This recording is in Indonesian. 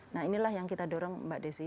nah inilah yang kita dorong mbak desi